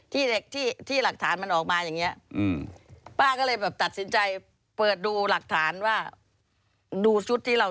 ที่ที่หลักฐานมันออกมาอย่างเงี้ยอืมป้าก็เลยแบบตัดสินใจเปิดดูหลักฐานว่าดูชุดที่เรา